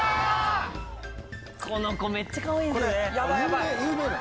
この子めっちゃかわいいんすよね。